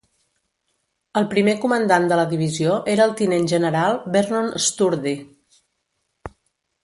El primer comandant de la divisió era el tinent general Vernon Sturdee.